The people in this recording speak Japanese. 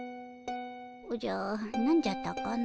おじゃ何じゃったかの？